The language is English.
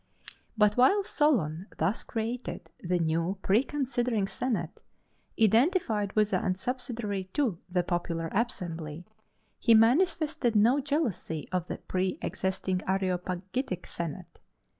But while Solon thus created the new pre considering senate, identified with and subsidiary to the popular assembly, he manifested no jealousy of the preëxisting Areopagitic senate.